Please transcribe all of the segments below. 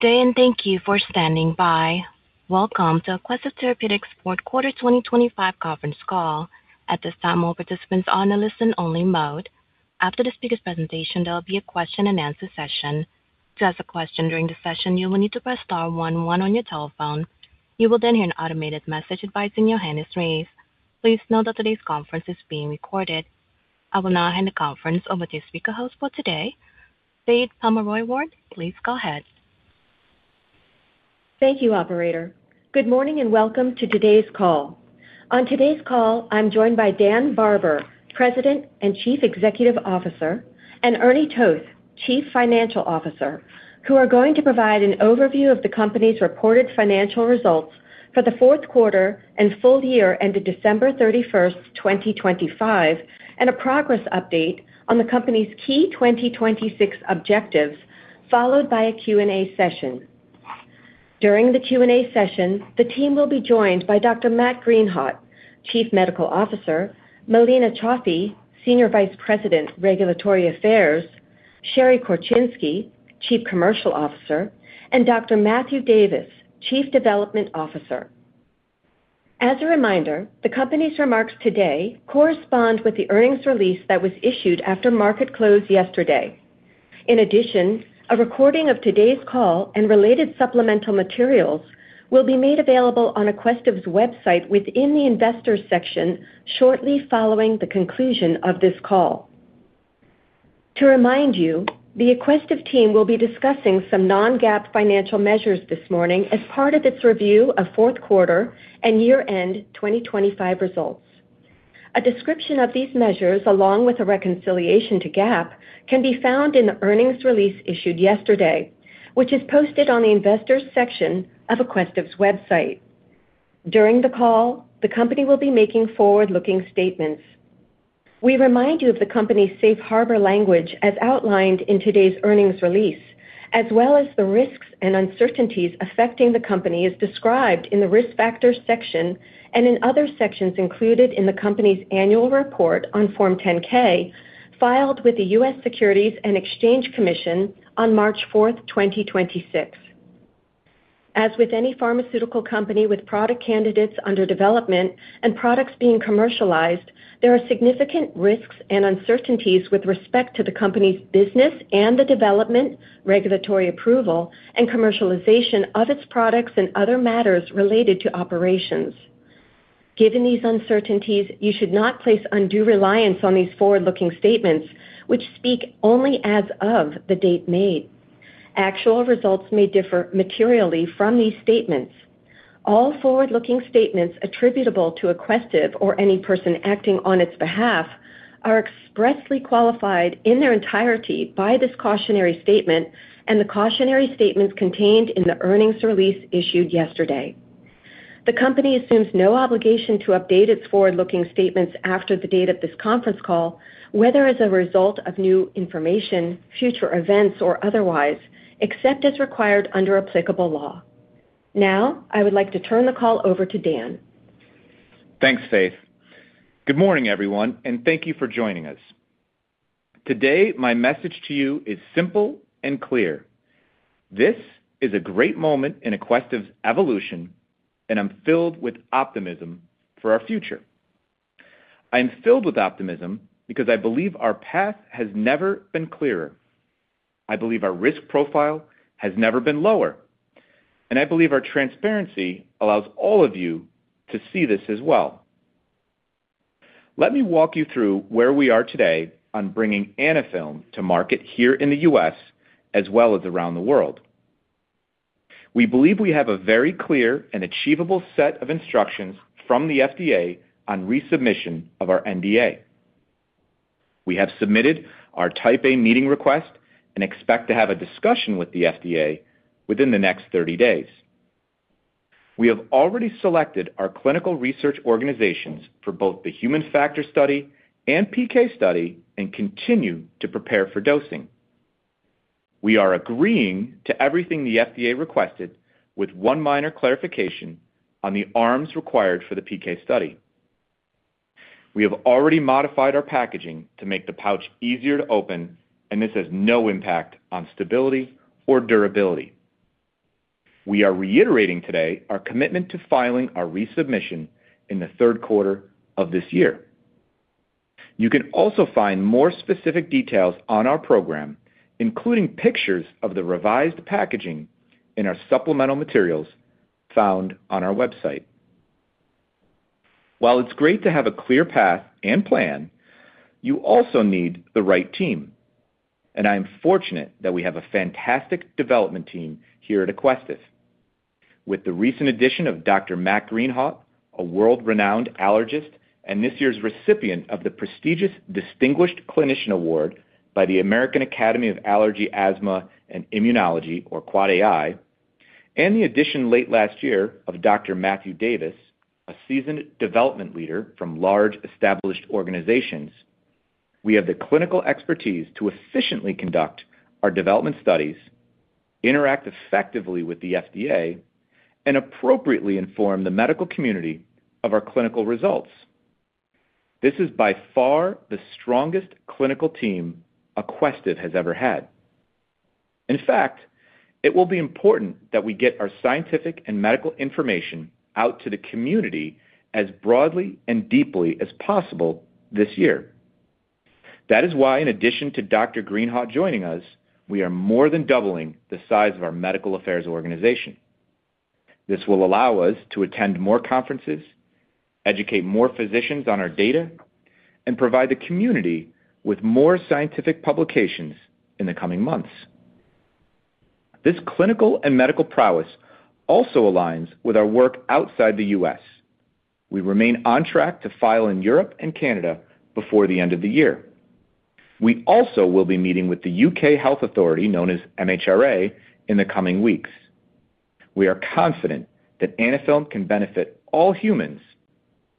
Good day, and thank you for standing by. Welcome to Aquestive Therapeutics fourth quarter 2025 conference call. At this time, all participants are on a listen only mode. After the speaker presentation, there will be a question-and-answer session. To ask a question during the session, you will need to press star one one on your telephone. You will then hear an automated message advising your hand is raised. Please note that today's conference is being recorded. I will now hand the conference over to speaker host for today, Faith Pomeroy-Ward. Please go ahead. Thank you, operator. Good morning and welcome to today's call. On today's call, I'm joined by Daniel Barber, President and Chief Executive Officer, and Ernie Toth, Chief Financial Officer, who are going to provide an overview of the company's reported financial results for the fourth quarter and full year ended December 31st, 2025, and a progress update on the company's key 2026 objectives, followed by a Q&A session. During the Q&A session, the team will be joined by Dr. Matt Greenhawt, Chief Medical Officer, Melina T. Cioffi, Senior Vice President, Regulatory Affairs, Sherry Korczynski, Chief Commercial Officer, and Dr. Matthew Davis, Chief Development Officer. As a reminder, the company's remarks today correspond with the earnings release that was issued after market close yesterday. A recording of today's call and related supplemental materials will be made available on Aquestive's website within the investors section shortly following the conclusion of this call. To remind you, the Aquestive team will be discussing some non-GAAP financial measures this morning as part of its review of fourth quarter and year-end 2025 results. A description of these measures, along with a reconciliation to GAAP, can be found in the earnings release issued yesterday, which is posted on the investors section of Aquestive's website. During the call, the company will be making forward-looking statements. We remind you of the company's safe harbor language as outlined in today's earnings release, as well as the risks and uncertainties affecting the company as described in the Risk Factors section and in other sections included in the company's annual report on Form 10-K, filed with the U.S. Securities and Exchange Commission on March 4th, 2026. With any pharmaceutical company with product candidates under development and products being commercialized, there are significant risks and uncertainties with respect to the company's business and the development, regulatory approval, and commercialization of its products and other matters related to operations. Given these uncertainties, you should not place undue reliance on these forward-looking statements, which speak only as of the date made. Actual results may differ materially from these statements. All forward-looking statements attributable to Aquestive or any person acting on its behalf are expressly qualified in their entirety by this cautionary statement and the cautionary statements contained in the earnings release issued yesterday. The company assumes no obligation to update its forward-looking statements after the date of this conference call, whether as a result of new information, future events, or otherwise, except as required under applicable law. I would like to turn the call over to Dan. Thanks, Faith. Good morning, everyone, and thank you for joining us. Today, my message to you is simple and clear. This is a great moment in Aquestive's evolution, and I'm filled with optimism for our future. I am filled with optimism because I believe our path has never been clearer. I believe our risk profile has never been lower, and I believe our transparency allows all of you to see this as well. Let me walk you through where we are today on bringing Anaphylm to market here in the U.S. as well as around the world. We believe we have a very clear and achievable set of instructions from the FDA on resubmission of our NDA. We have submitted our Type A meeting request and expect to have a discussion with the FDA within the next 30 days. We have already selected our clinical research organizations for both the human factors study and PK study and continue to prepare for dosing. We are agreeing to everything the FDA requested with one minor clarification on the arms required for the PK study. We have already modified our packaging to make the pouch easier to open, and this has no impact on stability or durability. We are reiterating today our commitment to filing our resubmission in the third quarter of this year. You can also find more specific details on our program, including pictures of the revised packaging in our supplemental materials found on our website. While it's great to have a clear path and plan, you also need the right team, and I am fortunate that we have a fantastic development team here at Aquestive. With the recent addition of Dr. Matt Greenhawt, a world-renowned allergist, and this year's recipient of the prestigious Distinguished Clinician Award by the American Academy of Allergy, Asthma & Immunology, or AAAAI, and the addition late last year of Dr. Matthew Davis, a seasoned development leader from large established organizations, we have the clinical expertise to efficiently conduct our development studies, interact effectively with the FDA, and appropriately inform the medical community of our clinical results. This is by far the strongest clinical team Aquestive has ever had. In fact, it will be important that we get our scientific and medical information out to the community as broadly and deeply as possible this year. That is why, in addition to Dr. Greenhawt joining us, we are more than doubling the size of our medical affairs organization. This will allow us to attend more conferences, educate more physicians on our data, and provide the community with more scientific publications in the coming months. This clinical and medical prowess also aligns with our work outside the U.S. We remain on track to file in Europe and Canada before the end of the year. We also will be meeting with the U.K. Health Authority, known as MHRA, in the coming weeks. We are confident that Anaphylm can benefit all humans,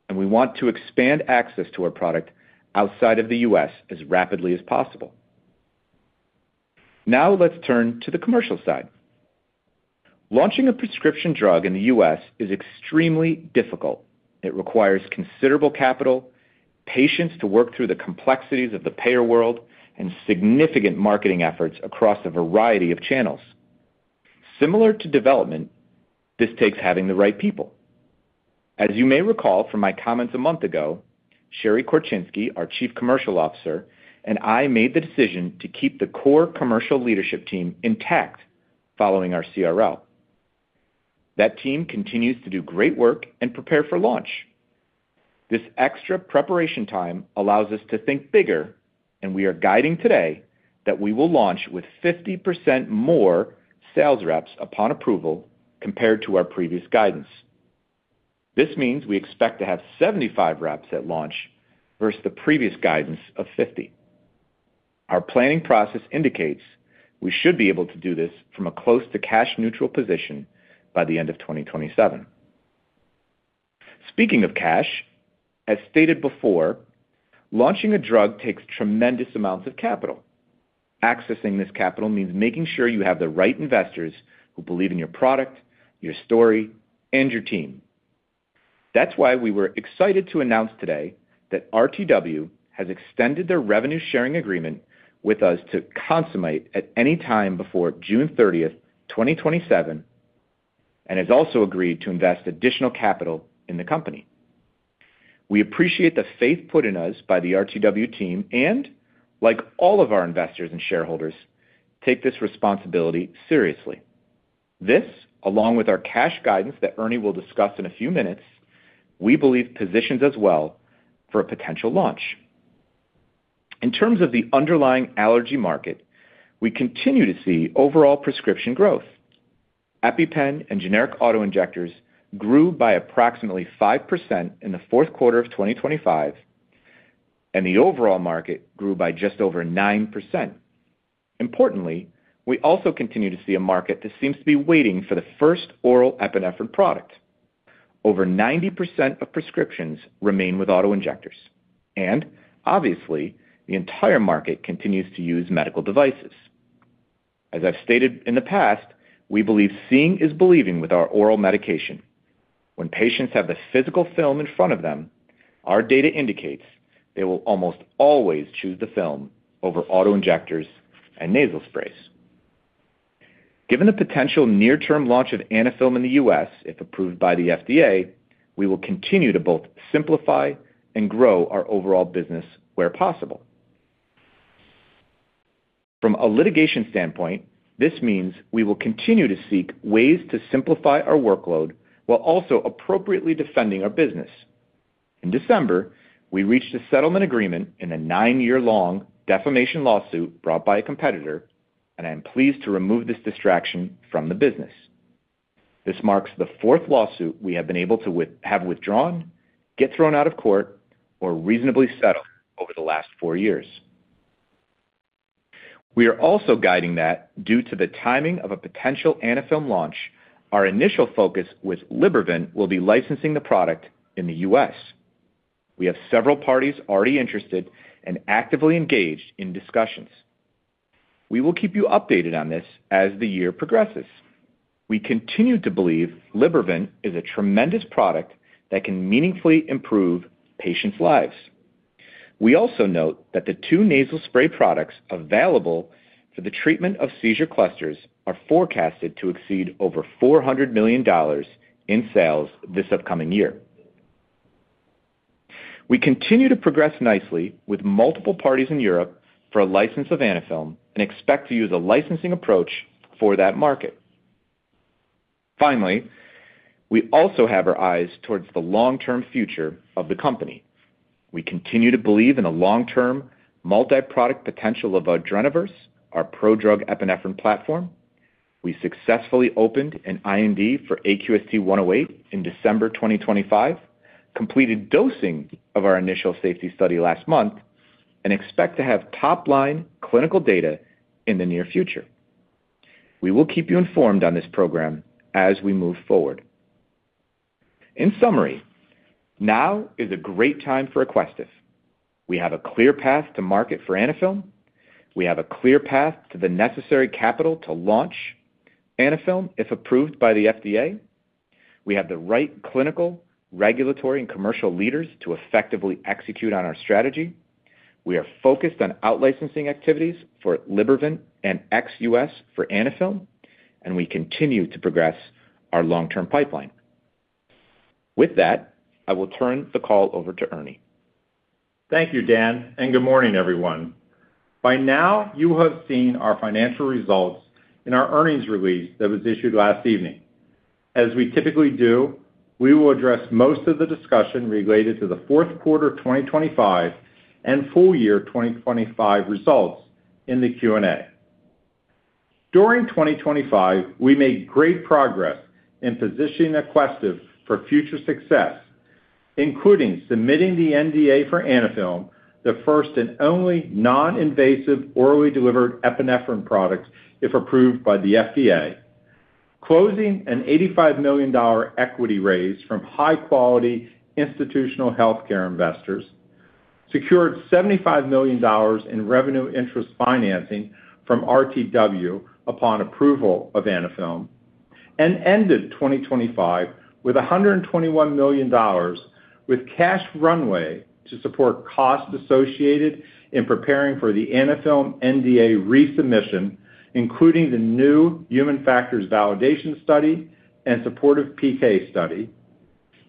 and we want to expand access to our product outside of the U.S. as rapidly as possible. Let's turn to the commercial side. Launching a prescription drug in the U.S. is extremely difficult. It requires considerable capital, patience to work through the complexities of the payer world, and significant marketing efforts across a variety of channels. Similar to development, this takes having the right people. As you may recall from my comments a month ago, Sherry Korczynski, our Chief Commercial Officer, and I made the decision to keep the core commercial leadership team intact following our CRL. That team continues to do great work and prepare for launch. This extra preparation time allows us to think bigger, and we are guiding today that we will launch with 50% more sales reps upon approval compared to our previous guidance. This means we expect to have 75 reps at launch versus the previous guidance of 50. Our planning process indicates we should be able to do this from a close to cash neutral position by the end of 2027. Speaking of cash, as stated before, launching a drug takes tremendous amounts of capital. Accessing this capital means making sure you have the right investors who believe in your product, your story, and your team. That's why we were excited to announce today that RTW has extended their revenue sharing agreement with us to consummate at any time before June 30th, 2027, and has also agreed to invest additional capital in the company. We appreciate the faith put in us by the RTW team and like all of our investors and shareholders, take this responsibility seriously. This, along with our cash guidance that Ernie will discuss in a few minutes, we believe positions us well for a potential launch. In terms of the underlying allergy market, we continue to see overall prescription growth. EpiPen and generic auto-injectors grew by approximately 5% in Q4 2025, and the overall market grew by just over 9%. Importantly, we also continue to see a market that seems to be waiting for the first oral epinephrine product. Over 90% of prescriptions remain with auto-injectors. Obviously, the entire market continues to use medical devices. As I've stated in the past, we believe seeing is believing with our oral medication. When patients have the physical film in front of them, our data indicates they will almost always choose the film over auto-injectors and nasal sprays. Given the potential near term launch of Anaphylm in the U.S., if approved by the FDA, we will continue to both simplify and grow our overall business where possible. From a litigation standpoint, this means we will continue to seek ways to simplify our workload while also appropriately defending our business. In December, we reached a settlement agreement in a nine-year-long defamation lawsuit brought by a competitor. I am pleased to remove this distraction from the business. This marks the fourth lawsuit we have been able to have withdrawn, get thrown out of court, or reasonably settled over the last four years. We are also guiding that due to the timing of a potential Anaphylm launch, our initial focus with Libervant will be licensing the product in the U.S. We have several parties already interested and actively engaged in discussions. We will keep you updated on this as the year progresses. We continue to believe Libervant is a tremendous product that can meaningfully improve patients' lives. We also note that the two nasal spray products available for the treatment of seizure clusters are forecasted to exceed over $400 million in sales this upcoming year. We continue to progress nicely with multiple parties in Europe for a license of Anaphylm and expect to use a licensing approach for that market. Finally, we also have our eyes towards the long-term future of the company. We continue to believe in a long-term multi-product potential of AdrenaVerse, our prodrug epinephrine platform. We successfully opened an IND for AQST-108 in December 2025, completed dosing of our initial safety study last month, and expect to have top-line clinical data in the near future. We will keep you informed on this program as we move forward. In summary, now is a great time for Aquestive. We have a clear path to market for Anaphylm. We have a clear path to the necessary capital to launch Anaphylm, if approved by the FDA. We have the right clinical, regulatory, and commercial leaders to effectively execute on our strategy. We are focused on out-licensing activities for Libervant and ex-US for Anaphylm, and we continue to progress our long-term pipeline. I will turn the call over to Ernie. Thank you, Dan, and good morning, everyone. By now, you have seen our financial results in our earnings release that was issued last evening. As we typically do, we will address most of the discussion related to the 4th quarter 2025 and full year 2025 results in the Q&A. During 2025, we made great progress in positioning Aquestive for future success, including submitting the NDA for Anaphylm, the first and only non-invasive orally delivered epinephrine product if approved by the FDA. Closing an $85 million equity raise from high-quality institutional healthcare investors, secured $75 million in revenue interest financing from RTW upon approval of Anaphylm, and ended 2025 with $121 million with cash runway to support costs associated in preparing for the Anaphylm NDA resubmission, including the new human factors validation study and supportive PK study.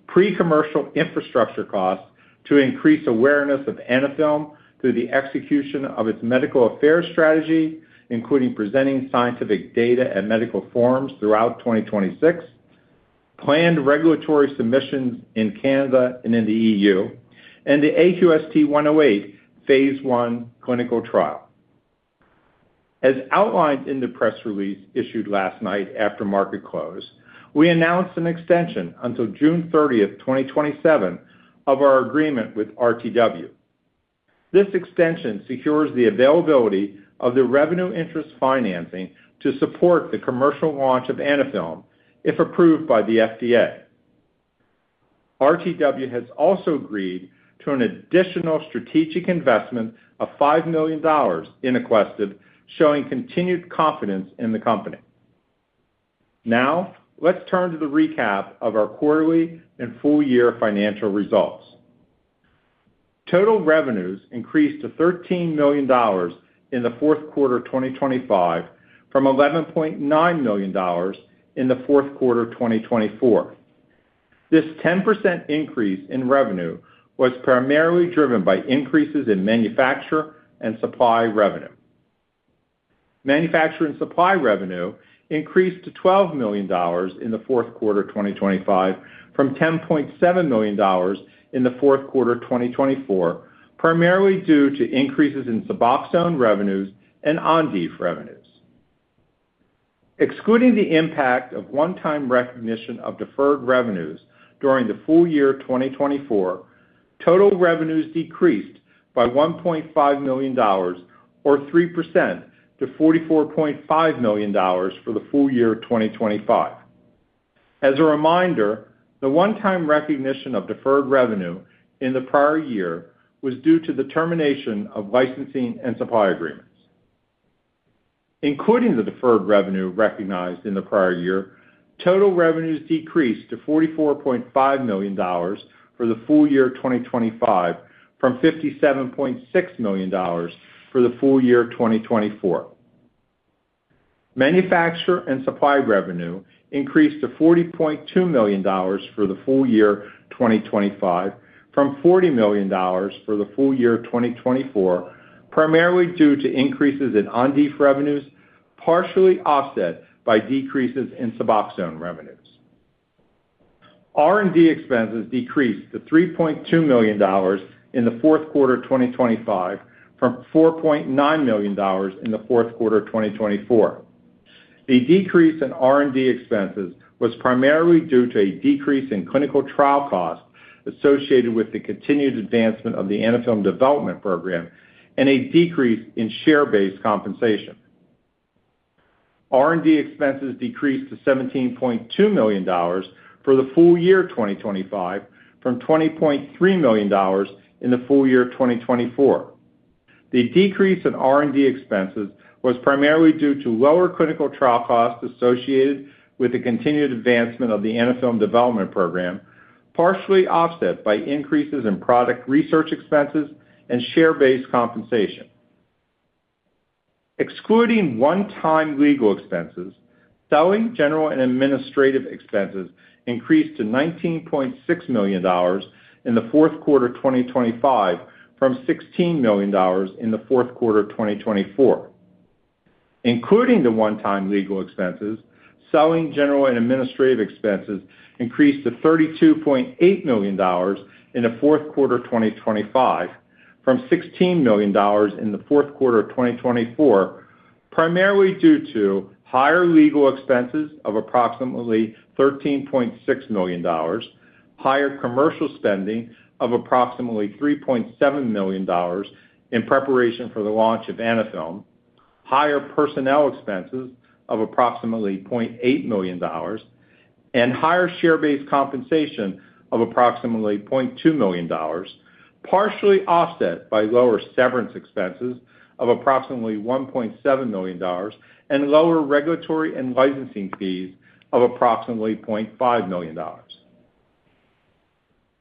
Pre-commercial infrastructure costs to increase awareness of Anaphylm through the execution of its medical affairs strategy, including presenting scientific data at medical forums throughout 2026, planned regulatory submissions in Canada and in the EU, and the AQST-108 Phase 1 clinical trial. As outlined in the press release issued last night after market close, we announced an extension until June 30th, 2027 of our agreement with RTW. This extension secures the availability of the revenue interest financing to support the commercial launch of Anaphylm, if approved by the FDA. RTW has also agreed to an additional strategic investment of $5 million in Aquestive, showing continued confidence in the company. Now, let's turn to the recap of our quarterly and full-year financial results. Total revenues increased to $13 million in the fourth quarter 2025 from $11.9 million in the fourth quarter 2024. This 10% increase in revenue was primarily driven by increases in manufacture and supply revenue. Manufacture and supply revenue increased to $12 million in the fourth quarter 2025 from $10.7 million in the fourth quarter 2024, primarily due to increases in Suboxone revenues and Ondif revenues. Excluding the impact of one-time recognition of deferred revenues during the full year 2024, total revenues decreased by $1.5 million or 3% to $44.5 million for the full year 2025. As a reminder, the one-time recognition of deferred revenue in the prior year was due to the termination of licensing and supply agreements. Including the deferred revenue recognized in the prior year, total revenues decreased to $44.5 million for the full year 2025 from $57.6 million for the full year 2024. Manufacture and supply revenue increased to $40.2 million for the full year 2025 from $40 million for the full year 2024, primarily due to increases in Ondif revenues, partially offset by decreases in Suboxone revenues. R&D expenses decreased to $3.2 million in the fourth quarter 2025 from $4.9 million in the fourth quarter 2024. The decrease in R&D expenses was primarily due to a decrease in clinical trial costs associated with the continued advancement of the Anaphylm development program and a decrease in share-based compensation. R&D expenses decreased to $17.2 million for the full year 2025 from $20.3 million in the full year 2024. The decrease in R&D expenses was primarily due to lower clinical trial costs associated with the continued advancement of the Anaphylm development program, partially offset by increases in product research expenses and share-based compensation. Excluding one-time legal expenses, selling general and administrative expenses increased to $19.6 million in the fourth quarter 2025 from $16 million in the fourth quarter 2024. Including the one-time legal expenses, selling, general and administrative expenses increased to $32.8 million in the fourth quarter 2025 from $16 million in the fourth quarter 2024, primarily due to higher legal expenses of approximately $13.6 million, higher commercial spending of approximately $3.7 million in preparation for the launch of Anaphylm. Higher personnel expenses of approximately $0.8 million and higher share-based compensation of approximately $0.2 million, partially offset by lower severance expenses of approximately $1.7 million and lower regulatory and licensing fees of approximately $0.5 million.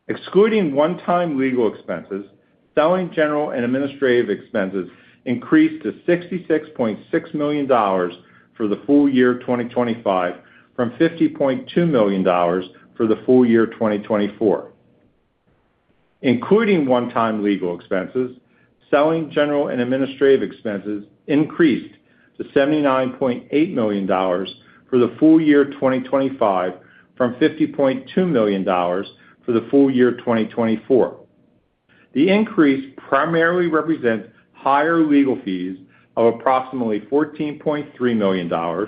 Excluding one-time legal expenses, selling, general and administrative expenses increased to $66.6 million for the full year 2025 from $50.2 million for the full year 2024. Including one-time legal expenses, selling, general and administrative expenses increased to $79.8 million for the full year 2025 from $50.2 million for the full year 2024. The increase primarily represents higher legal fees of approximately $14.3 million,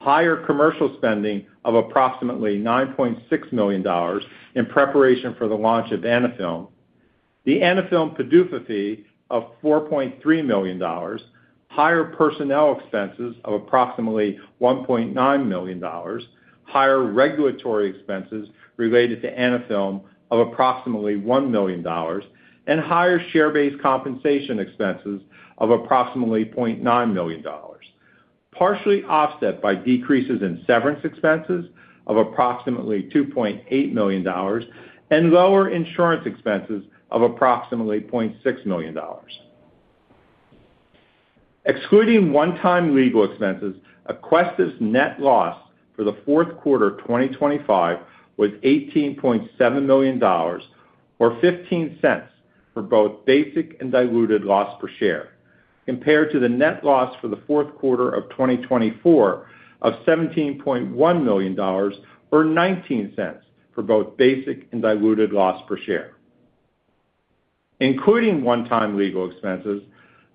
higher commercial spending of approximately $9.6 million in preparation for the launch of Anaphylm, the Anaphylm PDUFA fee of $4.3 million, higher personnel expenses of approximately $1.9 million, higher regulatory expenses related to Anaphylm of approximately $1 million, and higher share-based compensation expenses of approximately $0.9 million, partially offset by decreases in severance expenses of approximately $2.8 million and lower insurance expenses of approximately $0.6 million. Excluding one-time legal expenses, Aquestive's net loss for the fourth quarter of 2025 was $18.7 million or $0.15 for both basic and diluted loss per share, compared to the net loss for the fourth quarter of 2024 of $17.1 million or $0.19 for both basic and diluted loss per share. Including one-time legal expenses,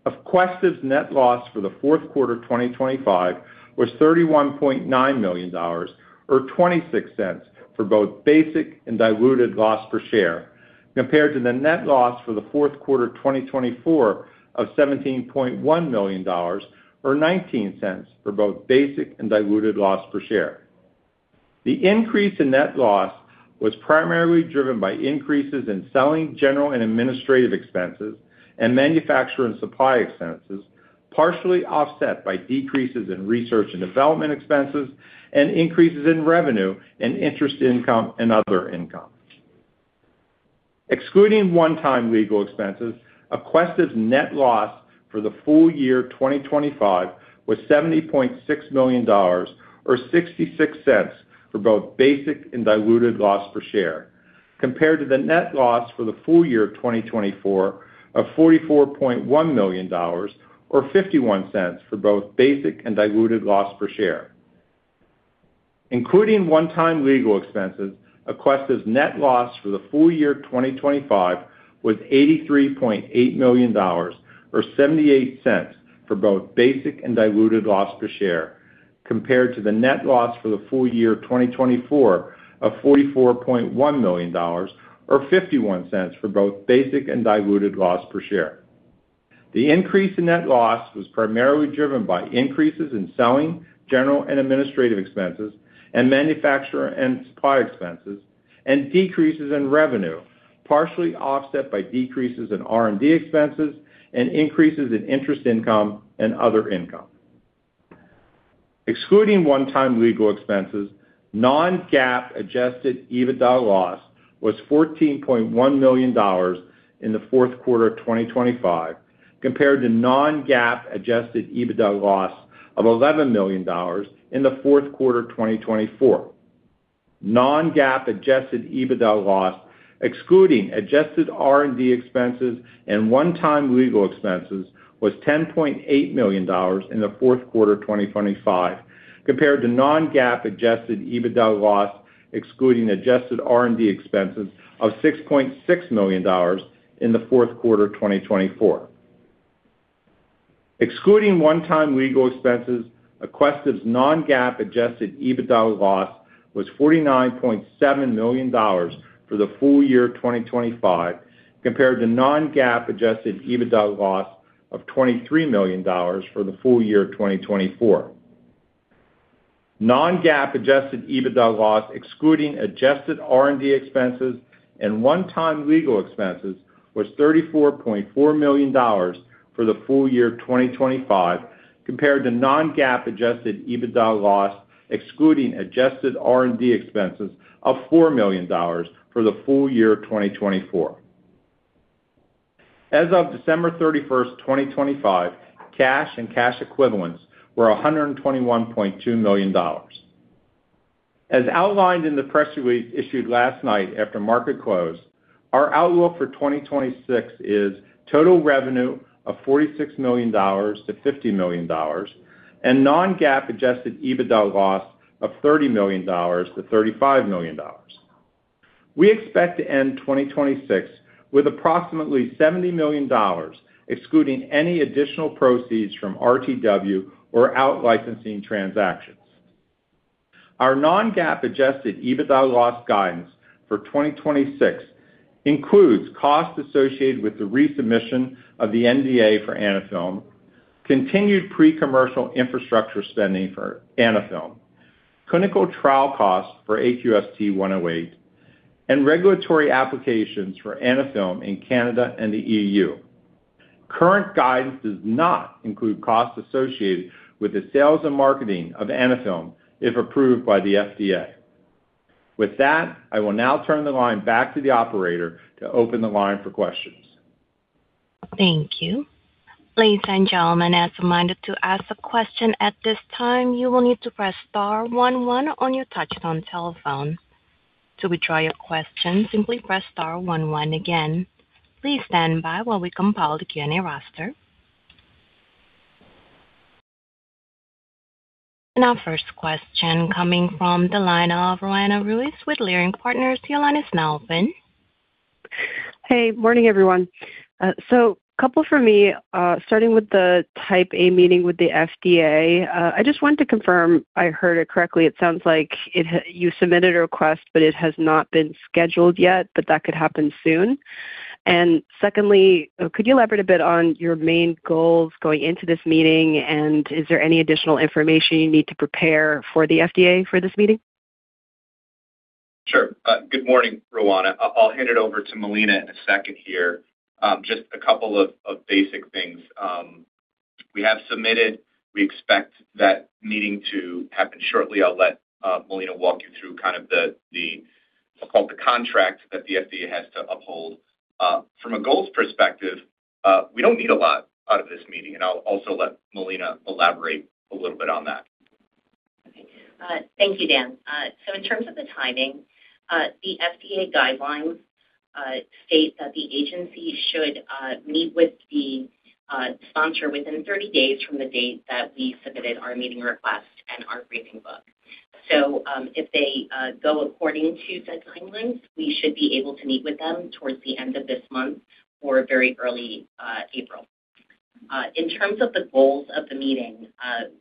Aquestive's net loss for the fourth quarter of 2025 was $31.9 million or $0.26 for both basic and diluted loss per share, compared to the net loss for the fourth quarter of 2024 of $17.1 million or $0.19 for both basic and diluted loss per share. The increase in net loss was primarily driven by increases in selling, general and administrative expenses and manufacturer and supply expenses, partially offset by decreases in research and development expenses and increases in revenue and interest income and other income. Excluding one-time legal expenses, Aquestive's net loss for the full year 2025 was $70.6 million or $0.66 for both basic and diluted loss per share, compared to the net loss for the full year of 2024 of $44.1 million or $0.51 for both basic and diluted loss per share. Including one-time legal expenses, Aquestive's net loss for the full year of 2025 was $83.8 million or $0.78 for both basic and diluted loss per share, compared to the net loss for the full year of 2024 of $44.1 million or $0.51 for both basic and diluted loss per share. The increase in net loss was primarily driven by increases in selling, general and administrative expenses and manufacturer and supply expenses, and decreases in revenue, partially offset by decreases in R&D expenses and increases in interest income and other income. Excluding one-time legal expenses, non-GAAP adjusted EBITDA loss was $14.1 million in the fourth quarter of 2025 compared to non-GAAP adjusted EBITDA loss of $11 million in the fourth quarter of 2024. Non-GAAP adjusted EBITDA loss, excluding adjusted R&D expenses and one-time legal expenses, was $10.8 million in the fourth quarter of 2025 compared to non-GAAP adjusted EBITDA loss, excluding adjusted R&D expenses, of $6.6 million in the fourth quarter of 2024. Excluding one-time legal expenses, Aquestive's non-GAAP adjusted EBITDA loss was $49.7 million for the full year of 2025 compared to non-GAAP adjusted EBITDA loss of $23 million for the full year of 2024. Non-GAAP adjusted EBITDA loss, excluding adjusted R&D expenses and one-time legal expenses, was $34.4 million for the full year of 2025 compared to non-GAAP adjusted EBITDA loss, excluding adjusted R&D expenses, of $4 million for the full year of 2024. As of December 31st, 2025, cash and cash equivalents were $121.2 million. As outlined in the press release issued last night after market close, our outlook for 2026 is total revenue of $46 million-$50 million and non-GAAP adjusted EBITDA loss of $30 million-$35 million. We expect to end 2026 with approximately $70 million, excluding any additional proceeds from RTW or out licensing transactions. Our non-GAAP adjusted EBITDA loss guidance for 2026 includes costs associated with the resubmission of the NDA for Anaphylm, continued pre-commercial infrastructure spending for Anaphylm, clinical trial costs for AQST-108, and regulatory applications for Anaphylm in Canada and the EU. Current guidance does not include costs associated with the sales and marketing of Anaphylm if approved by the FDA. With that, I will now turn the line back to the operator to open the line for questions. Thank you. Ladies and gentlemen, as a reminder to ask a question at this time, you will need to press star one one on your touch-tone telephone. To withdraw your question, simply press star one one again. Please stand by while we compile the Q&A roster. Our first question coming from the line of Roanna Ruiz with Leerink Partners. Your line is now open. Hey. Morning, everyone. Couple for me, starting with the Type A meeting with the FDA. I just wanted to confirm I heard it correctly. It sounds like you submitted a request, but it has not been scheduled yet, but that could happen soon. Secondly, could you elaborate a bit on your main goals going into this meeting? Is there any additional information you need to prepare for the FDA for this meeting? Sure. Good morning, Roanna. I'll hand it over to Melina in a second here. Just a couple of basic things. We have submitted. We expect that meeting to happen shortly. I'll let Melina walk you through kind of the, I'll call it the contract that the FDA has to uphold. From a goals perspective, we don't need a lot out of this meeting, and I'll also let Melina elaborate a little bit on that. Okay, thank you, Dan. In terms of the timing, the FDA guidelines state that the agency should meet with the sponsor within 30 days from the date that we submitted our meeting request and our briefing book. If they go according to the timelines, we should be able to meet with them towards the end of this month or very early April. In terms of the goals of the meeting,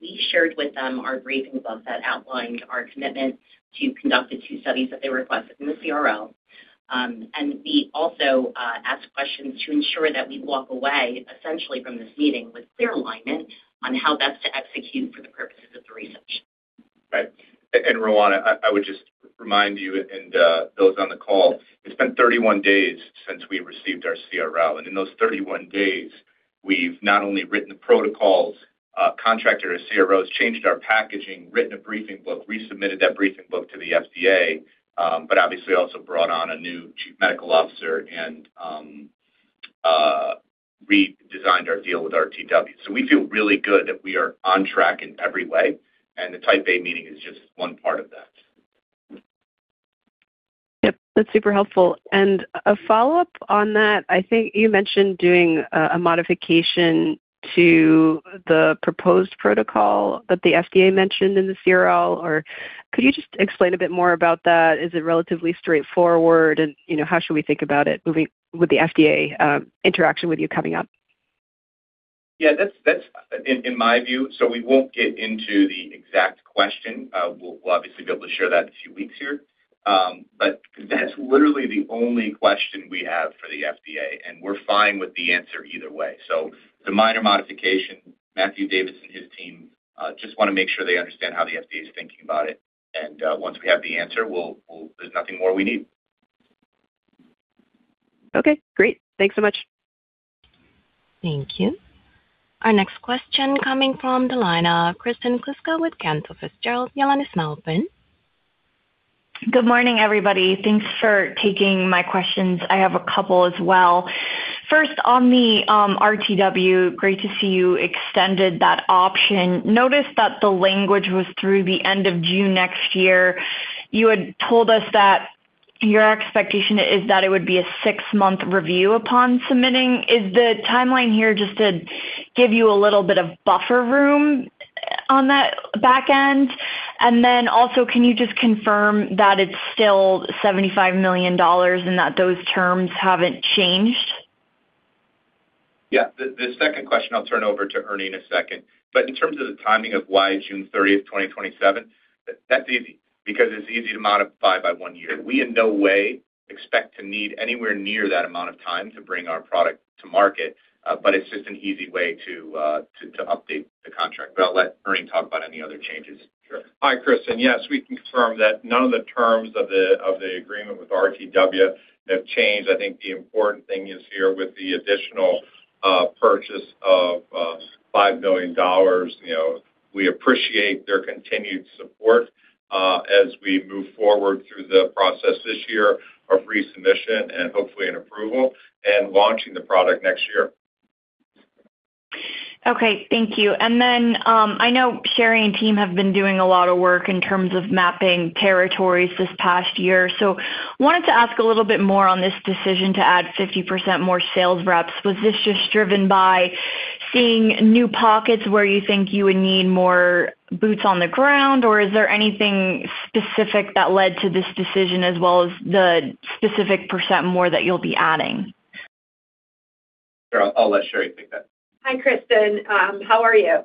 we shared with them our briefing book that outlined our commitment to conduct the two studies that they requested in the CRL. And we also asked questions to ensure that we walk away essentially from this meeting with clear alignment on how best to execute for the purposes of the research. Right. and Roanna, I would just remind you and those on the call, it's been 31 days since we received our CRL. In those 31 days, we've not only written the protocols, contracted our CROs, changed our packaging, written a briefing book, resubmitted that briefing book to the FDA, but obviously also brought on a new Chief Medical Officer and redesigned our deal with RTW. We feel really good that we are on track in every way, and the Type A meeting is just one part of that. Yep, that's super helpful. A follow-up on that, I think you mentioned doing a modification to the proposed protocol that the FDA mentioned in the CRL. Could you just explain a bit more about that? Is it relatively straightforward? You know, how should we think about it moving with the FDA interaction with you coming up? Yeah, that's in my view. We won't get into the exact question. We'll obviously be able to share that in a few weeks here. That's literally the only question we have for the FDA, and we're fine with the answer either way. It's a minor modification. Matthew Davis and his team just wanna make sure they understand how the FDA is thinking about it. Once we have the answer, we'll there's nothing more we need. Okay, great. Thanks so much. Thank you. Our next question coming from the line of Kristin Kuska with Cantor Fitzgerald. Your line is now open. Good morning, everybody. Thanks for taking my questions. I have a couple as well. First, on the RTW, great to see you extended that option. Noticed that the language was through the end of June next year. You had told us that your expectation is that it would be a six-month review upon submitting. Is the timeline here just to give you a little bit of buffer room on that back end? Then also can you just confirm that it's still $75 million and that those terms haven't changed? Yeah. The second question I'll turn over to Ernie in a second. In terms of the timing of why June 30th, 2027, that's easy. It's easy to modify by one year. We in no way expect to need anywhere near that amount of time to bring our product to market, it's just an easy way to update the contract. I'll let Ernie talk about any other changes. Sure. Hi, Kristin. Yes, we confirm that none of the terms of the agreement with RTW have changed. I think the important thing is here with the additional purchase of $5 million, you know, we appreciate their continued support as we move forward through the process this year of resubmission and hopefully an approval and launching the product next year. Okay, thank you. I know Sherry and team have been doing a lot of work in terms of mapping territories this past year. Wanted to ask a little bit more on this decision to add 50% more sales reps. Was this just driven by seeing new pockets where you think you would need more boots on the ground, or is there anything specific that led to this decision as well as the specific percent more that you'll be adding? Sure. I'll let Sherry take that. Hi, Kristin. How are you?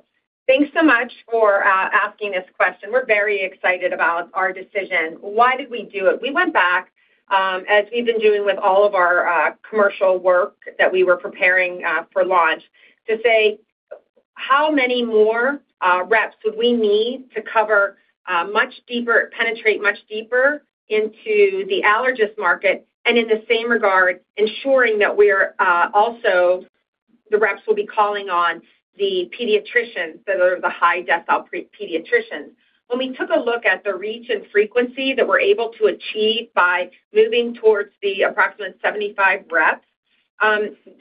Thanks so much for asking this question. We're very excited about our decision. Why did we do it? We went back, as we've been doing with all of our commercial work that we were preparing for launch, to say how many more reps would we need to cover much deeper, penetrate much deeper into the allergist market and in the same regard ensuring that we're also the reps will be calling on the pediatricians that are the high decile pediatricians. When we took a look at the reach and frequency that we're able to achieve by moving towards the approximate 75 reps,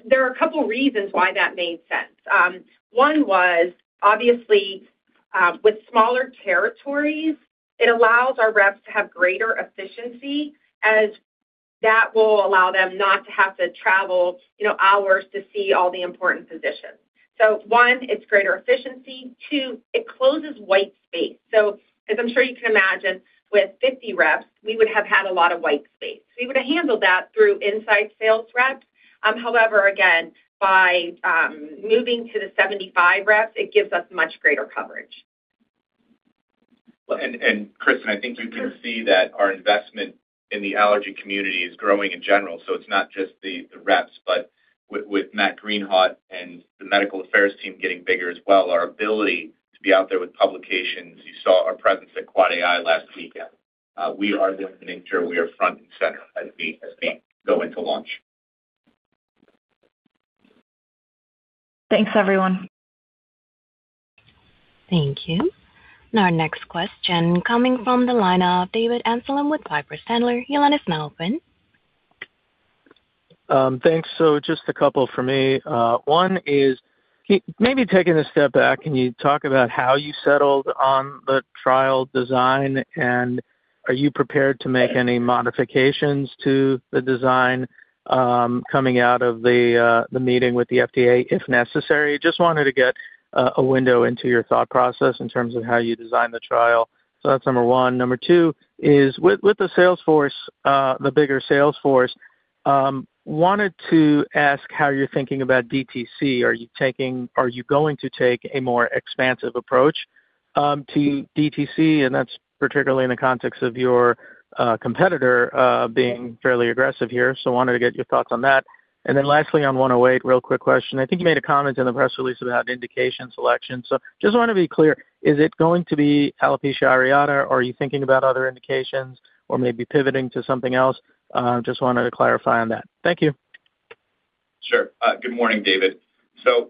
there are a couple of reasons why that made sense. One was obviously, with smaller territories, it allows our reps to have greater efficiency as that will allow them not to have to travel, you know, hours to see all the important physicians. One, it's greater efficiency. Two, it closes white space. As I'm sure you can imagine, with 50 reps, we would have had a lot of white space. We would have handled that through inside sales reps. However, again, by moving to the 75 reps, it gives us much greater coverage. Kristin, I think you can see that our investment in the allergy community is growing in general. So it's not just the reps, but with Matt Greenhawt and the medical affairs team getting bigger as well, our ability to be out there with publications. You saw our presence at AAAAI last weekend. We are demonstrating we are front and center as we go into launch. Thanks, everyone. Thank you. Our next question coming from the line of David Amsellem with Piper Sandler. Your line is now open. Thanks. Just a couple for me. One is, taking a step back, can you talk about how you settled on the trial design and are you prepared to make any modifications to the design coming out of the meeting with the FDA if necessary? Just wanted to get a window into your thought process in terms of how you design the trial. That's number one. Number two is with the sales force, the bigger sales force, wanted to ask how you're thinking about DTC. Are you going to take a more expansive approach to DTC? That's particularly in the context of your competitor being fairly aggressive here. Wanted to get your thoughts on that. Lastly, on 108, real quick question. I think you made a comment in the press release about indication selection. Just want to be clear, is it going to be alopecia areata or are you thinking about other indications or maybe pivoting to something else? Just wanted to clarify on that. Thank you. Sure. Good morning, David.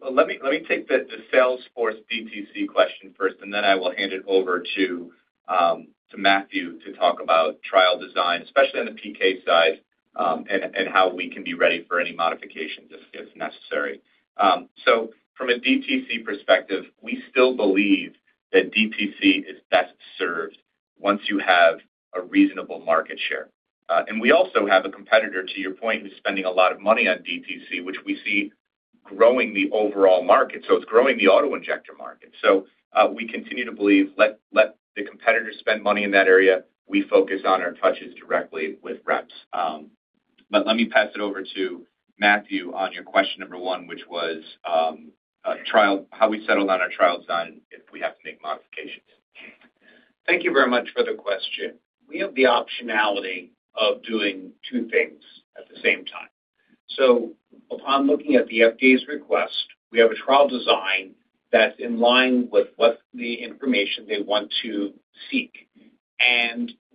Let me take the sales force DTC question first and then I will hand it over to Matthew to talk about trial design, especially on the PK side, and how we can be ready for any modifications if necessary. From a DTC perspective, we still believe that DTC is best served once you have a reasonable market share. We also have a competitor, to your point, who's spending a lot of money on DTC, which we see growing the overall market. It's growing the auto injector market. We continue to believe, let the competitors spend money in that area. We focus on our touches directly with reps. Let me pass it over to Matthew on your question number one, which was, how we settled on our trial design if we have to make modifications. Thank you very much for the question. We have the optionality of doing two things at the same time. Upon looking at the FDA's request, we have a trial design that's in line with what the information they want to seek.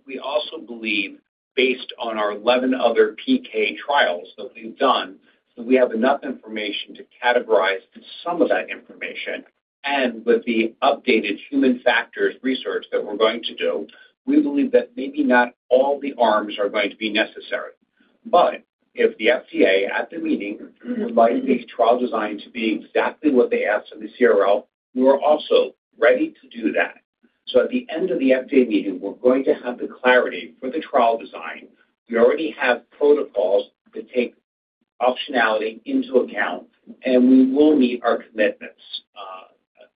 We also believe based on our 11 other PK trials that we've done, that we have enough information to categorize some of that information. With the updated human factors research that we're going to do, we believe that maybe not all the arms are going to be necessary. If the FDA at the meeting invites this trial design to be exactly what they asked in the CRL, we are also ready to do that. At the end of the FDA meeting, we're going to have the clarity for the trial design. We already have protocols that take optionality into account, and we will meet our commitments,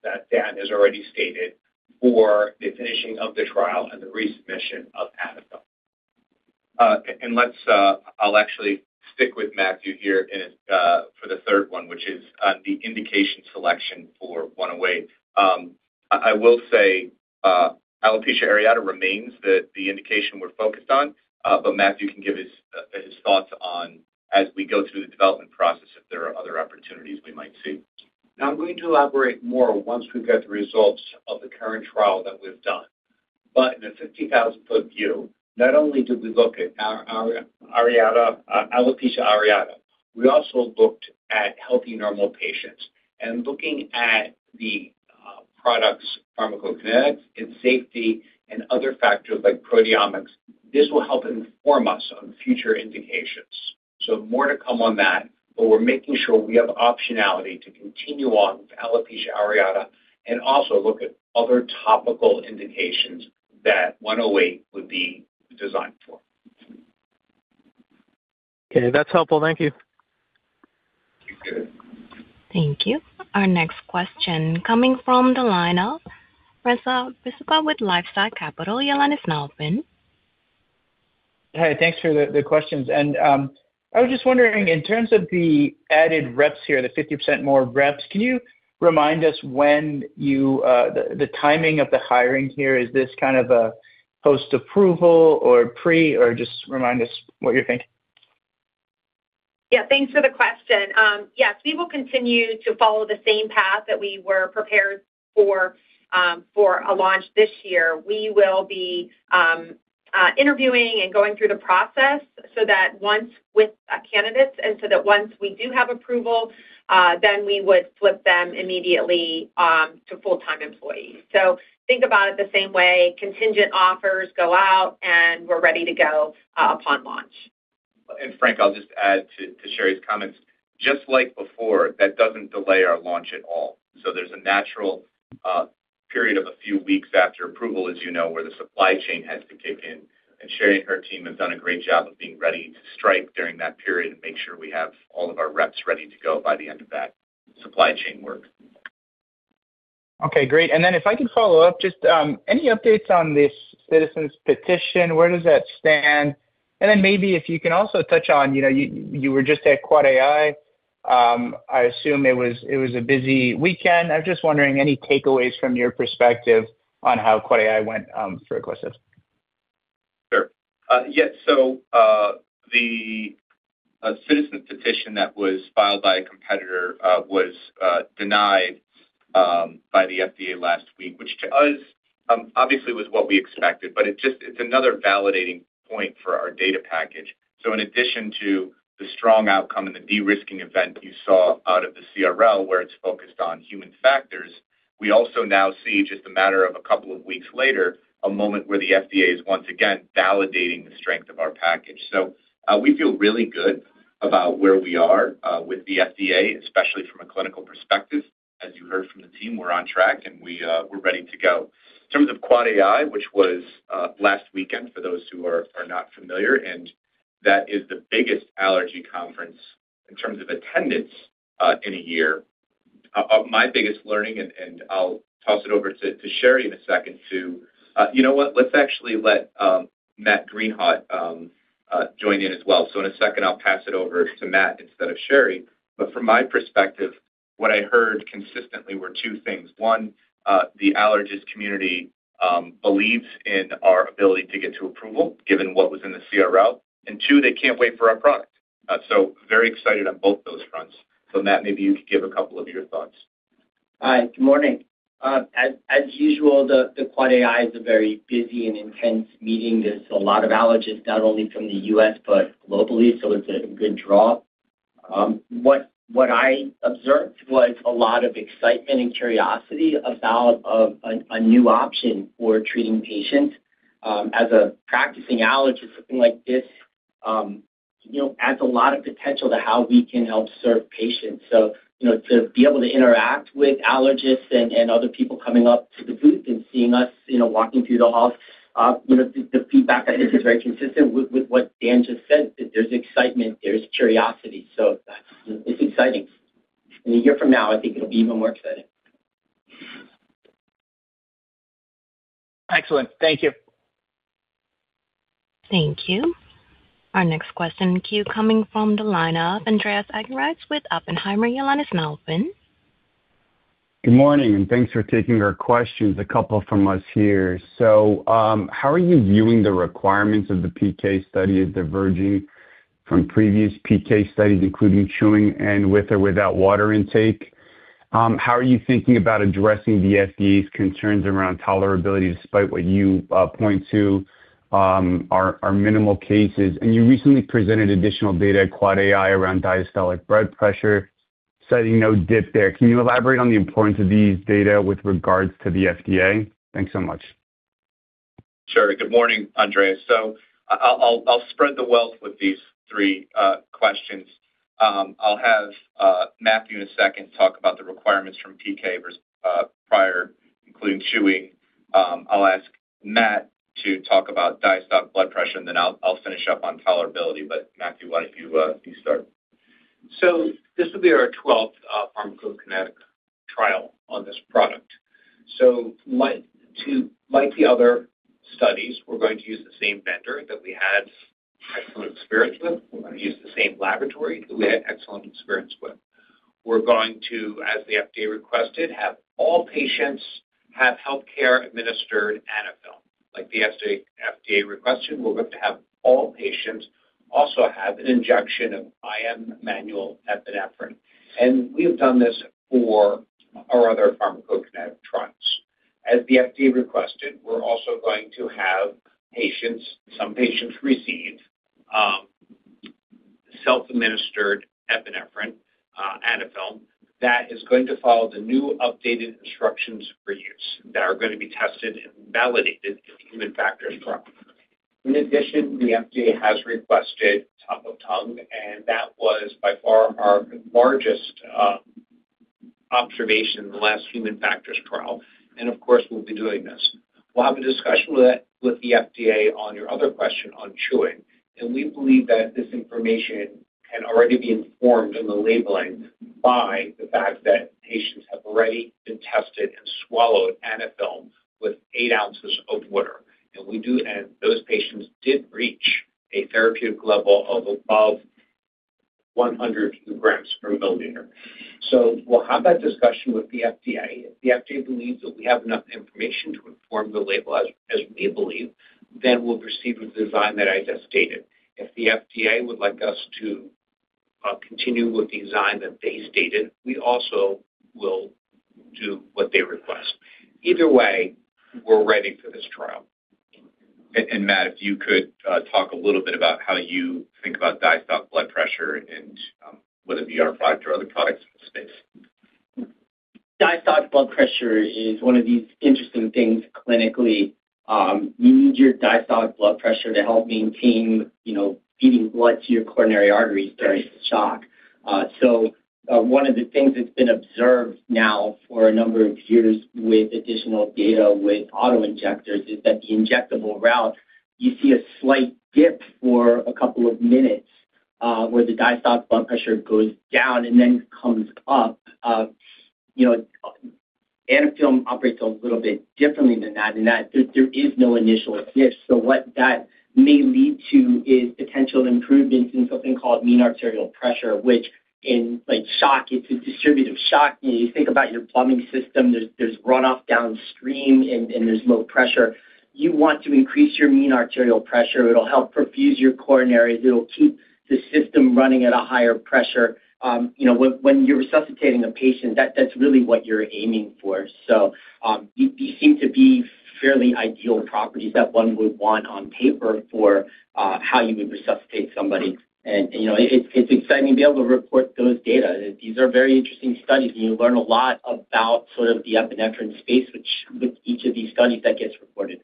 that Dan has already stated for the finishing of the trial and the resubmission of Anaphylm. Let's, I'll actually stick with Matthew here and, for the third one, which is on the indication selection for 108. I will say, alopecia areata remains the indication we're focused on, but Matthew can give his thoughts on as we go through the development process, if there are other opportunities we might see. I'm going to elaborate more once we get the results of the current trial that we've done. In a 50,000-foot view, not only did we look at our areata, alopecia areata, we also looked at healthy normal patients. Looking at the product's pharmacokinetics and safety and other factors like proteomics, this will help inform us on future indications. More to come on that, but we're making sure we have optionality to continue on with alopecia areata and also look at other topical indications that 108 would be designed for. Okay, that's helpful. Thank you. Thank you. Thank you. Our next question coming from the line of Reza Vahidi with LifeSci Capital. Your line is now open. Hey, thanks for the questions. I was just wondering, in terms of the added reps here, the 50% more reps, can you remind us when you the timing of the hiring here, is this kind of a post-approval or pre? Or just remind us what you're thinking? Yeah. Thanks for the question. Yes, we will continue to follow the same path that we were prepared for a launch this year. We will be interviewing and going through the process so that once with candidates, and so that once we do have approval, then we would flip them immediately to full-time employees. Think about it the same way contingent offers go out, and we're ready to go upon launch. Frank, I'll just add to Sherry's comments. Just like before, that doesn't delay our launch at all. There's a natural period of a few weeks after approval, as you know, where the supply chain has to kick in. Sherry and her team have done a great job of being ready to strike during that period and make sure we have all of our reps ready to go by the end of that supply chain work. Okay, great. If I could follow up, just, any updates on this citizen petition? Where does that stand? Maybe if you can also touch on, you know, you were just at AAAAI, I assume it was a busy weekend. I'm just wondering any takeaways from your perspective on how AAAAI went for Aquestive. Sure. Yes. The citizen petition that was filed by a competitor was denied by the FDA last week, which to us obviously was what we expected, but it's another validating point for our data package. In addition to the strong outcome and the de-risking event you saw out of the CRL, where it's focused on human factors, we also now see, just a matter of a couple of weeks later, a moment where the FDA is once again validating the strength of our package. We feel really good about where we are with the FDA, especially from a clinical perspective. As you heard from the team, we're on track, and we're ready to go. In terms of AAAAI, which was last weekend for those who are not familiar, and that is the biggest allergy conference in terms of attendance in a year. My biggest learning and I'll toss it over to Sherry in a second to... you know what? Let's actually let Matthew Greenhawt join in as well. In a second, I'll pass it over to Matt instead of Sherry. From my perspective, what I heard consistently were two things. One, the allergist community believes in our ability to get to approval given what was in the CRL. Two, they can't wait for our product. Very excited on both those fronts. Matt, maybe you could give a couple of your thoughts. Hi. Good morning. As usual, the AAAAI is a very busy and intense meeting. There's a lot of allergists, not only from the U.S., but globally. It's a good draw. What I observed was a lot of excitement and curiosity about a new option for treating patients. As a practicing allergist, something like this, you know, adds a lot of potential to how we can help serve patients. You know, to be able to interact with allergists and other people coming up to the booth and seeing us, you know, walking through the halls, you know, the feedback I think is very consistent with what Dan just said, that there's excitement, there's curiosity. That's, it's exciting. A year from now, I think it'll be even more exciting. Excellent. Thank you. Thank you. Our next question, queue coming from the line of Andreas Argyrides with Oppenheimer Your line is now open. Good morning, and thanks for taking our questions, a couple from us here. How are you viewing the requirements of the PK study as diverging from previous PK studies, including chewing and with or without water intake? How are you thinking about addressing the FDA's concerns around tolerability despite what you point to are minimal cases? You recently presented additional data at AAAAI around diastolic blood pressure, citing no dip there. Can you elaborate on the importance of these data with regards to the FDA? Thanks so much. Sure. Good morning, Andreas. I'll, I'll spread the wealth with these three questions. I'll have Matthew in a second talk about the requirements from PK prior, including chewing. I'll ask Matt to talk about diastolic blood pressure, and then I'll finish up on tolerability. Matthew, why don't you start. This will be our 12th pharmacokinetic trial on this product. Like the other studies, we're going to use the same vendor that we had excellent experience with. We're gonna use the same laboratory that we had excellent experience with. We're going to, as the FDA requested, have all patients have healthcare administered Advil. Like the FDA requested, we're going to have all patients also have an injection of IM manual epinephrine. We've done this for our other pharmacokinetic trials. As the FDA requested, we're also going to have patients, some patients receive self-administered epinephrine, Advil, that is going to follow the new updated instructions for use that are gonna be tested and validated in human factors trial. In addition, the FDA has requested top of tongue, that was by far our largest observation in the last human factors trial. Of course, we'll be doing this. We'll have a discussion with the FDA on your other question on chewing, and we believe that this information can already be informed in the labeling By the fact that patients have already been tested and swallowed Anaphylm with eight ounces of water. Those patients did reach a therapeutic level of above 100 milligrams per milliliter. We'll have that discussion with the FDA. If the FDA believes that we have enough information to inform the label as we believe, then we'll proceed with the design that I just stated. If the FDA would like us to continue with the design that they stated, we also will do what they request. Either way, we're ready for this trial. Matt, if you could talk a little bit about how you think about diastolic blood pressure and whether it be our product or other products in the space. Diastolic blood pressure is one of these interesting things clinically. You need your diastolic blood pressure to help maintain, you know, feeding blood to your coronary arteries during shock. One of the things that's been observed now for a number of years with additional data with auto-injectors is that the injectable route, you see a slight dip for a couple of minutes, where the diastolic blood pressure goes down and then comes up. You know, Anaphylm operates a little bit differently than that, in that there is no initial dip. What that may lead to is potential improvements in something called mean arterial pressure, which in like shock, it's a distributive shock. You know, you think about your plumbing system, there's runoff downstream and there's low pressure. You want to increase your mean arterial pressure. It'll help perfuse your coronaries. It'll keep the system running at a higher pressure. You know, when you're resuscitating a patient, that's really what you're aiming for. You seem to be fairly ideal properties that one would want on paper for, how you would resuscitate somebody. You know, it's exciting to be able to report those data. These are very interesting studies, and you learn a lot about sort of the epinephrine space, which with each of these studies that gets reported.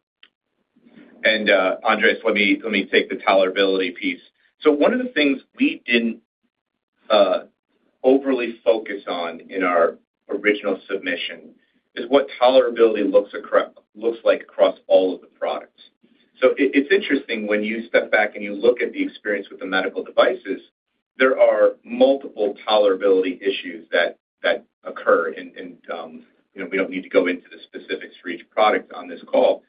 Andreas, let me take the tolerability piece. One of the things we didn't overly focus on in our original submission is what tolerability looks like across all of the products. It's interesting when you step back and you look at the experience with the medical devices, there are multiple tolerability issues that occur. You know, we don't need to go into the specifics for each product on this call.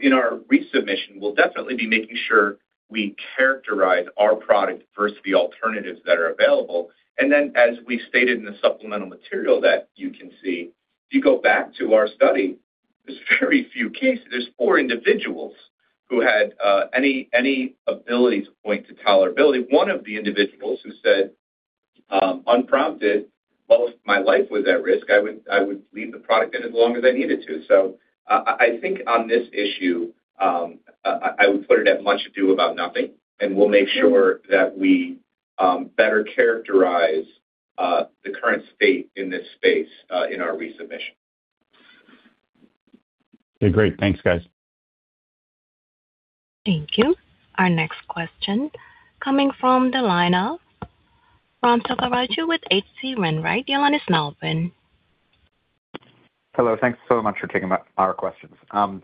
In our resubmission, we'll definitely be making sure we characterize our product versus the alternatives that are available. Then, as we stated in the supplemental material that you can see, if you go back to our study, there's very few cases. There's four individuals who had any ability to point to tolerability. One of the individuals who said, unprompted, "Well, if my life was at risk, I would leave the product in as long as I needed to." I think on this issue, I would put it at much ado about nothing, and we'll make sure that we better characterize the current state in this space in our resubmission. Okay, great. Thanks, guys. Thank you. Our next question coming from the line of Raghuram Selvaraju with H.C. Wainwright. Your line is now open. Hello. Thanks so much for taking our questions.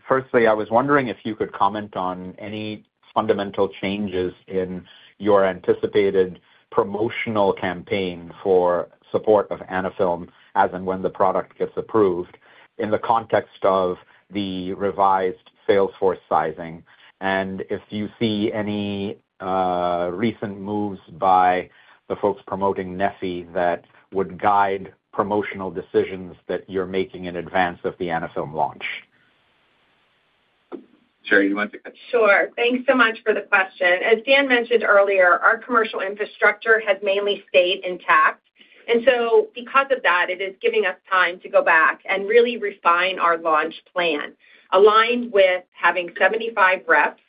Firstly, I was wondering if you could comment on any fundamental changes in your anticipated promotional campaign for support of Anaphylm as and when the product gets approved in the context of the revised sales force sizing and if you see any recent moves by the folks promoting Neffy that would guide promotional decisions that you're making in advance of the Anaphylm launch? Sherry, you want to take that? Sure. Thanks so much for the question. As Dan mentioned earlier, our commercial infrastructure has mainly stayed intact. Because of that, it is giving us time to go back and really refine our launch plan, aligned with having 75 reps,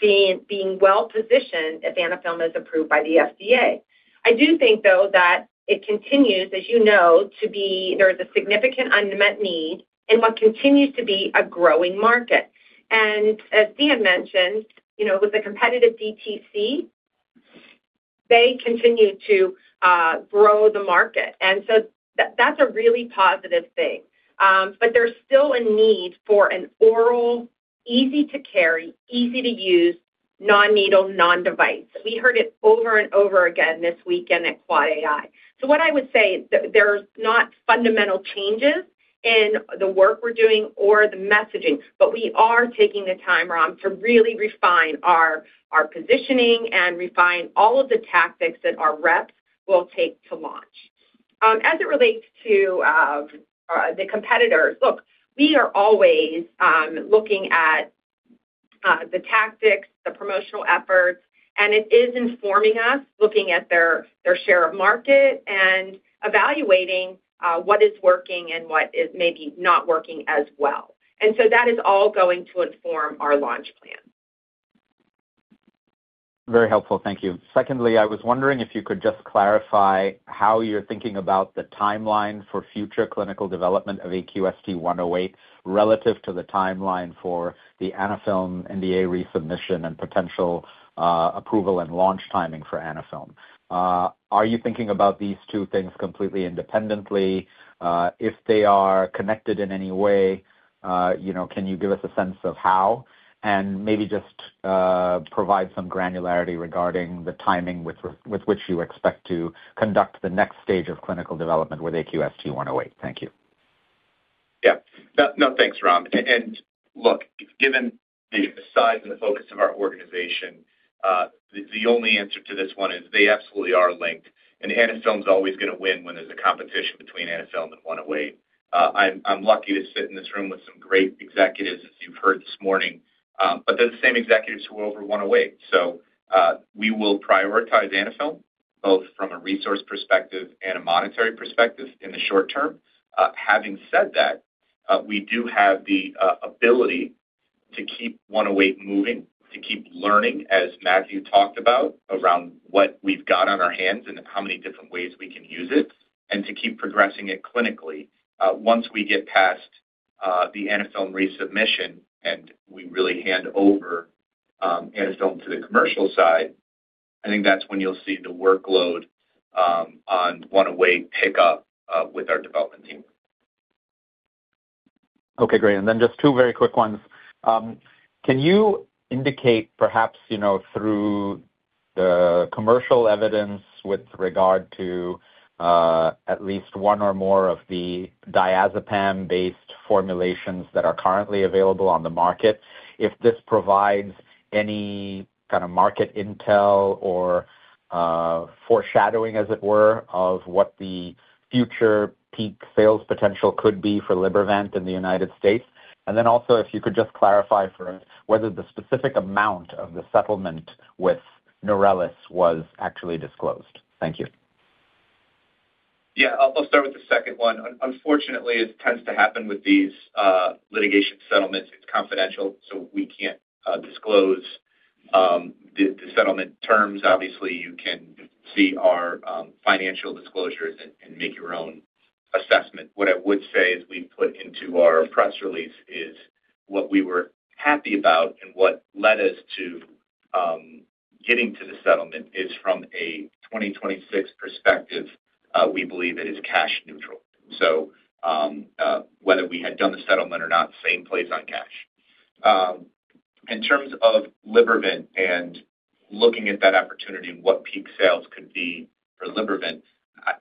being well-positioned if Anaphylm is approved by the FDA. I do think, though, that it continues, as you know, to be there is a significant unmet need in what continues to be a growing market. As Dan mentioned, you know, with the competitive DTC, they continue to grow the market. That's a really positive thing. There's still a need for an oral, easy to carry, easy to use, non-needle, non-device. We heard it over and over again this weekend at AAAAI. What I would say is there's not fundamental changes in the work we're doing or the messaging, but we are taking the time, Ram, to really refine our positioning and refine all of the tactics that our reps will take to launch. As it relates to the competitors, look, we are always looking at the tactics, the promotional efforts, and it is informing us, looking at their share of market and evaluating what is working and what is maybe not working as well. That is all going to inform our launch plan. Very helpful. Thank you. Secondly, I was wondering if you could just clarify how you're thinking about the timeline for future clinical development of AQST-108 relative to the timeline for the Anaphylm NDA resubmission and potential approval and launch timing for Anaphylm. Are you thinking about these two things completely independently? If they are connected in any way, you know, can you give us a sense of how? Maybe just provide some granularity regarding the timing with which you expect to conduct the next stage of clinical development with AQST-108. Thank you. Yeah. No, no, thanks, Ram. Look, given the size and the focus of our organization, the only answer to this one is they absolutely are linked, and Anaphylm's always gonna win when there's a competition between Anaphylm and AQST-108. I'm lucky to sit in this room with some great executives, as you've heard this morning, they're the same executives who are over AQST-108. We will prioritize Anaphylm both from a resource perspective and a monetary perspective in the short term. Having said that, we do have the ability to keep AQST-108 moving, to keep learning, as Matthew talked about, around what we've got on our hands and how many different ways we can use it and to keep progressing it clinically. Once we get past the Anaphylm resubmission, and we really hand over Anaphylm to the commercial side, I think that's when you'll see the workload on AQST-108 pick up with our development team. Okay, great. Just two very quick ones. Can you indicate perhaps, you know, through the commercial evidence with regard to at least one or more of the diazepam-based formulations that are currently available on the market, if this provides any kinda market intel or foreshadowing, as it were, of what the future peak sales potential could be for Libervant in the United States? Also, if you could just clarify for us whether the specific amount of the settlement with Neurelis was actually disclosed. Thank you. Yeah. I'll start with the second one. Unfortunately, it tends to happen with these litigation settlements. It's confidential, so we can't disclose the settlement terms. Obviously, you can see our financial disclosures and make your own assessment. What I would say is we put into our press release is what we were happy about and what led us to getting to the settlement is from a 2026 perspective, we believe it is cash neutral. Whether we had done the settlement or not, same place on cash. In terms of Libervant and looking at that opportunity and what peak sales could be for Libervant,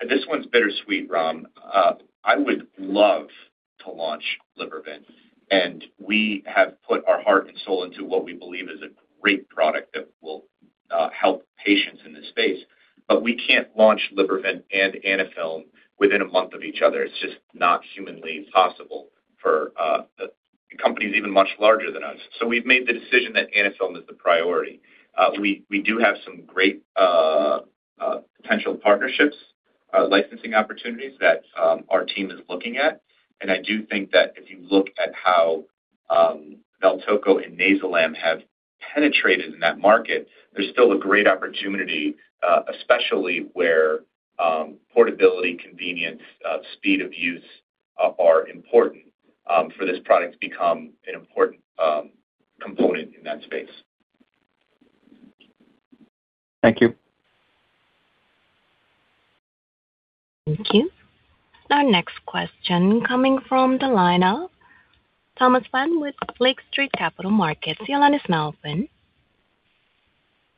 this one's bittersweet, Ram. I would love to launch Libervant, and we have put our heart and soul into what we believe is a great product that will help patients in this space. We can't launch Libervant and Anaphylm within a month of each other. It's just not humanly possible for the companies even much larger than us. We've made the decision that Anaphylm is the priority. We do have some great potential partnerships, licensing opportunities that our team is looking at. I do think that if you look at how Valtoco and Nayzilam have penetrated in that market, there's still a great opportunity, especially where portability, convenience, speed of use are important for this product to become an important component in that space. Thank you. Thank you. Our next question coming from the line of Thomas Flaten with Lake Street Capital Markets. Your line is now open.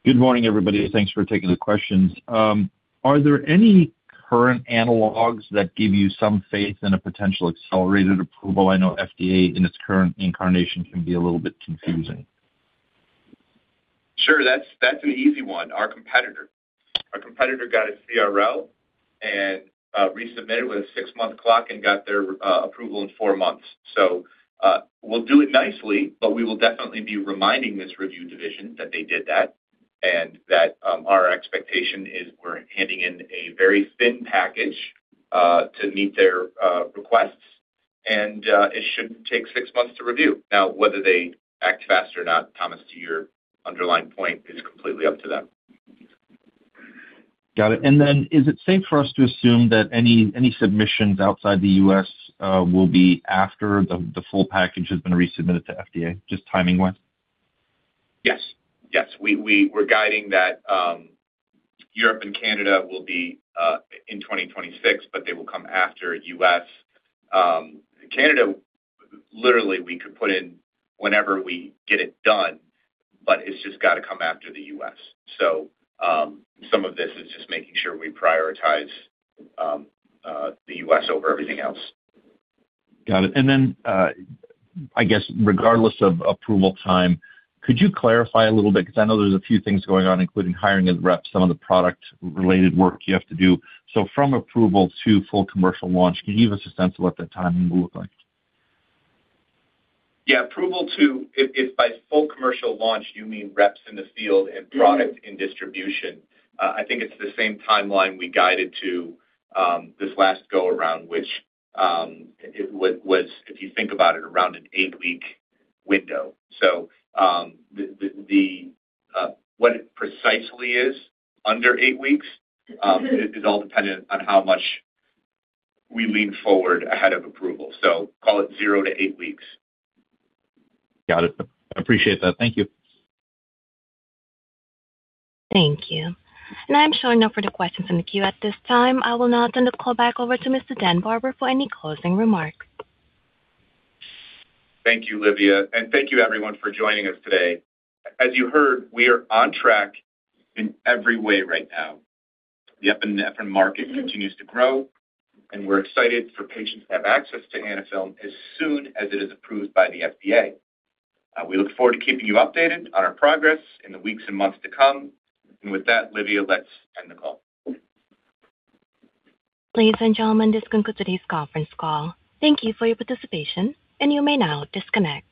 Good morning, everybody. Thanks for taking the questions. Are there any current analogs that give you some faith in a potential accelerated approval? I know FDA in its current incarnation can be a little bit confusing. Sure. That's an easy one. Our competitor got a CRL and resubmitted with a six-month clock and got their approval in four months. We'll do it nicely, but we will definitely be reminding this review division that they did that and that our expectation is we're handing in a very thin package to meet their requests. It shouldn't take 6 months to review. Now, whether they act fast or not, Thomas, to your underlying point, is completely up to them. Got it. Is it safe for us to assume that any submissions outside the U.S. will be after the full package has been resubmitted to FDA, just timing-wise? Yes. Yes. We're guiding that, Europe and Canada will be in 2026, but they will come after U.S. Canada, literally, we could put in whenever we get it done, but it's just gotta come after the U.S. Some of this is just making sure we prioritize the U.S. over everything else. Got it. I guess regardless of approval time, could you clarify a little bit, 'cause I know there's a few things going on, including hiring of the reps, some of the product-related work you have to do. From approval to full commercial launch, can you give us a sense of what that timing will look like? Yeah. Approval to... If by full commercial launch, you mean reps in the field and product in distribution, I think it's the same timeline we guided to this last go-around, which it was, if you think about it, around an eight-week window. The what it precisely is under eight weeks is all dependent on how much we lean forward ahead of approval. Call it zero to eight weeks. Got it. Appreciate that. Thank you. Thank you. I'm showing no further questions in the queue at this time. I will now turn the call back over to Mr. Daniel Barber for any closing remarks. Thank you, Livia, and thank you everyone for joining us today. As you heard, we are on track in every way right now. The epinephrine market continues to grow, and we're excited for patients to have access to Anaphylm as soon as it is approved by the FDA. We look forward to keeping you updated on our progress in the weeks and months to come. With that, Livia, let's end the call. Ladies and gentlemen, this concludes today's conference call. Thank you for your participation. You may now disconnect.